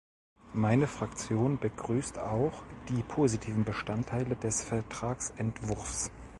Meine Fraktion begrüßt auch die positiven Bestandteile des Vertragsentwurfs.